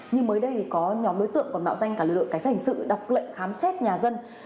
như mới đây thì có nhóm đối tượng còn mạo danh cả lực lượng cái giành sự đọc lệ khám xét nhà dân